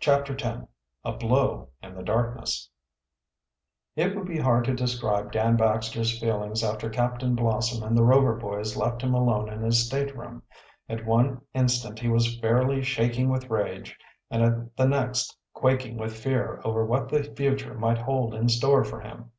CHAPTER X A BLOW IN THE DARKNESS It would be hard to describe Dan Baxter's feelings after Captain Blossom and the Rover boys left him alone in his stateroom. At one instant he was fairly shaking with rage, and at the next quaking with fear over what the future might hold in store for him.